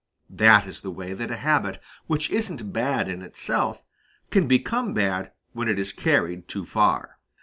That is the way that a habit which isn't bad in itself can become bad when it is carried too far.